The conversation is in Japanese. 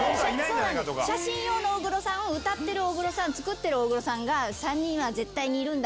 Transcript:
写真用の大黒さん歌う大黒さん作ってる大黒さん３人は絶対にいるんだ！